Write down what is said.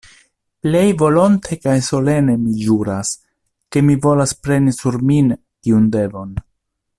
Plej volonte kaj solene mi ĵuras, ke mi volas preni sur min tiun devon.